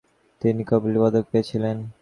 তিনি কপলি পদক পেয়েছিলেন।